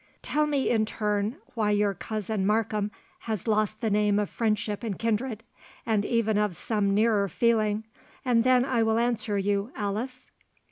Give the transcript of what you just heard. "Tell me in turn, why your cousin Markham has lost the name of friendship and kindred, and even of some nearer feeling, and then I will answer you, Alice?"